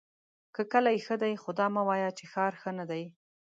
که کلی ښۀ دی خو دا مه وایه چې ښار ښۀ ندی!